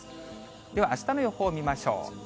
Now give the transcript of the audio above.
では、あしたの予報見ましょう。